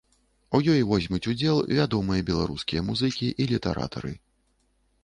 У ёй возьмуць удзел вядомыя беларускія музыкі і літаратары.